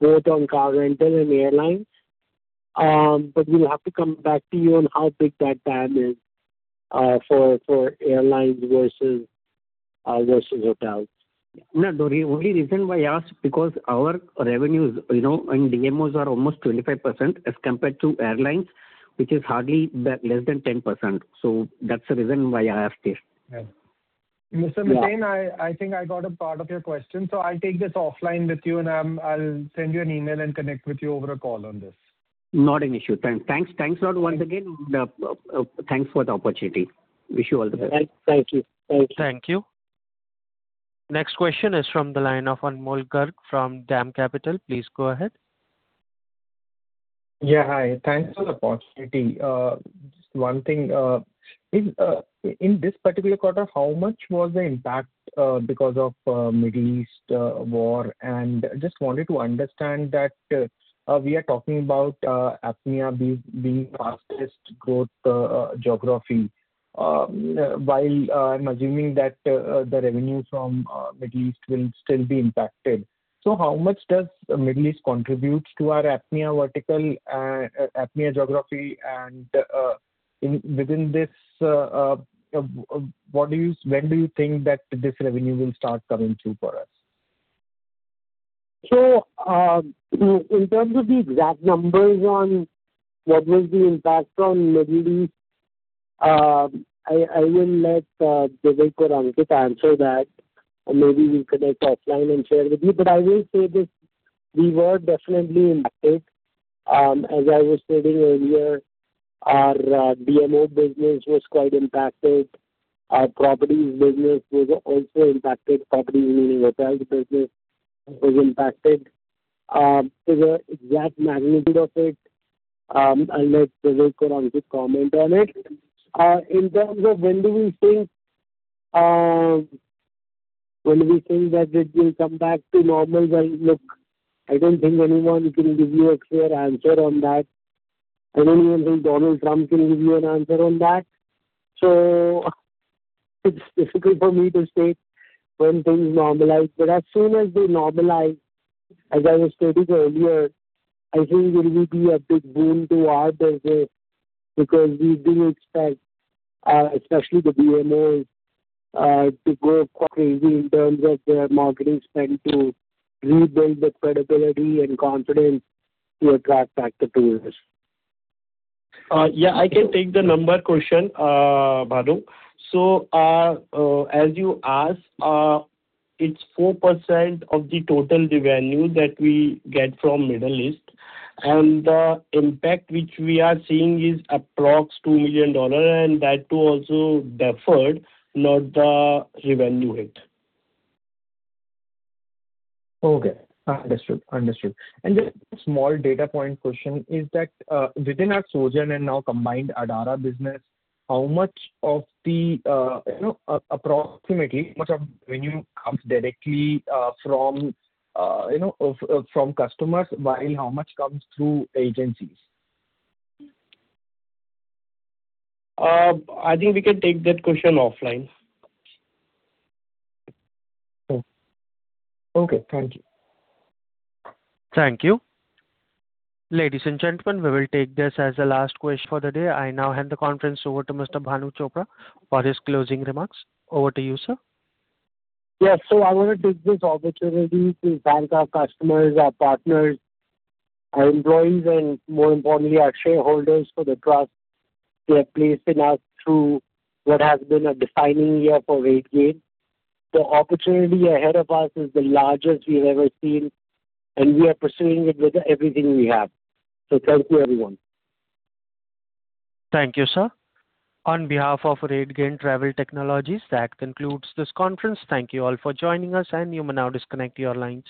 both on car rental and airlines. We'll have to come back to you on how big that TAM is for airlines versus hotels. No, the only reason why I asked, because our revenues in DMOs are almost 25% as compared to airlines, which is hardly less than 10%. That's the reason why I asked this. Yeah. Mr. Miten— Yeah. I think I got a part of your question. I'll take this offline with you, and I'll send you an email and connect with you over a call on this. Not an issue. Thanks a lot once again. Thanks for the opportunity. Wish you all the best. Thank you. Thank you. Next question is from the line of Anmol Garg from DAM Capital. Please go ahead. Yeah. Hi. Thanks for the opportunity. Just one thing. In this particular quarter, how much was the impact because of Middle East war? Just wanted to understand that we are talking about APAC being fastest growth geography, while I'm assuming that the revenue from Middle East will still be impacted. How much does Middle East contributes to our APAC vertical, APAC geography, and within this, when do you think that this revenue will start coming through for us? In terms of the exact numbers on what was the impact on Middle East, I will let Divik or Ankit answer that. Maybe we'll connect offline and share with you. I will say this, we were definitely impacted. As I was stating earlier, our DMO business was quite impacted. Our properties business was also impacted. Properties meaning hotels business was impacted. The exact magnitude of it, I'll let Divik or Ankit comment on it. In terms of when do we think that it will come back to normal? Well, look, I don't think anyone can give you a clear answer on that. I don't even think Donald Trump can give you an answer on that. It's difficult for me to say when things normalize. As soon as they normalize, as I was stating earlier, I think it will be a big boon to our business because we do expect, especially the DMOs, to go crazy in terms of their marketing spend to rebuild that credibility and confidence to attract back the tourists. Yeah, I can take the number question, Bhanu. As you asked, it's 4% of the total revenue that we get from Middle East. The impact which we are seeing is approx $2 million, and that too also deferred, not the revenue hit. Okay. Understood. Just a small data point question is that within our Sojern and now combined Adara business, approximately how much of revenue comes directly from customers, while how much comes through agencies? I think we can take that question offline. Okay. Thank you. Thank you. Ladies and gentlemen, we will take this as the last question for the day. I now hand the conference over to Mr. Bhanu Chopra for his closing remarks. Over to you, sir. Yes. I want to take this opportunity to thank our customers, our partners, our employees, and more importantly, our shareholders for the trust they have placed in us through what has been a defining year for RateGain. The opportunity ahead of us is the largest we've ever seen, and we are pursuing it with everything we have. Thank you, everyone. Thank you, sir. On behalf of RateGain Travel Technologies, that concludes this conference. Thank you all for joining us, and you may now disconnect your lines.